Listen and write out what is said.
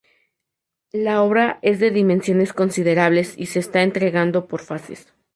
La obra es de dimensiones considerables y se está entregando por fases.